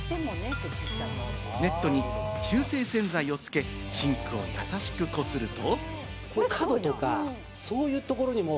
ネットに中性洗剤をつけ、シンクを優しくこすると。